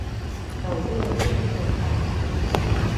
斗六聯絡道